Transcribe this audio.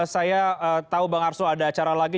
saya tahu bang arso ada acara lagi